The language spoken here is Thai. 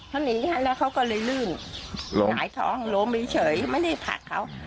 เขาหนีแล้วเขาก็เลยลื่นล้มหงายท้องล้มเฉยไม่ได้ผลักเขา